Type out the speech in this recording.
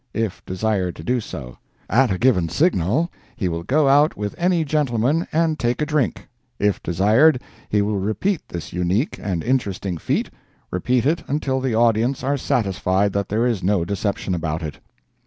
if desired to do so: "At a given signal, he will go out with any gentleman and take a drink. If desired, he will repeat this unique and interesting feat—repeat it until the audience are satisfied that there is no deception about it.